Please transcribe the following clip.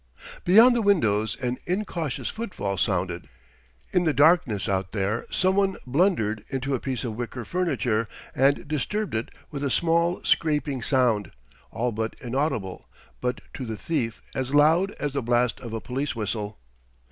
Beyond the windows an incautious footfall sounded. In the darkness out there someone blundered into a piece of wicker furniture and disturbed it with a small scraping sound, all but inaudible, but to the thief as loud as the blast of a police whistle.